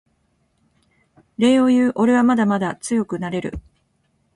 礼を言うおれはまだまだ強くなれる